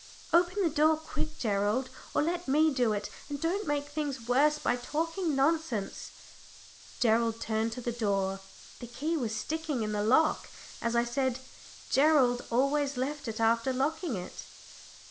"Open the door quick, Gerald, or let me do it, and don't make things worse by talking nonsense." Gerald turned to the door the key was sticking in the lock, as I said Gerald always left it after locking it.